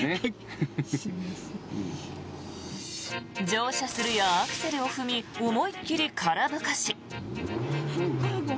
乗車するや、アクセルを踏み思いっ切り空吹かし。